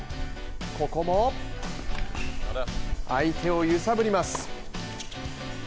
ここも相手を揺さぶります。